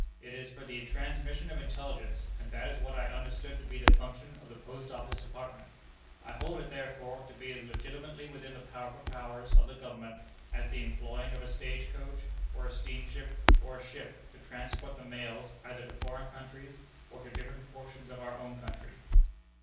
It is for the transmission of intelligence, and that is what I understood to be the function of the Post Office Department. I hold it, therefore, to be as legitimately within the proper powers of the Government, as the employing of a stage coach, or a steam car, or a ship, to transport the mails, either to foreign countries, or to different portions of our own country."